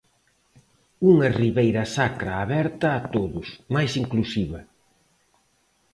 Unha Ribeira Sacra aberta a todos, máis inclusiva.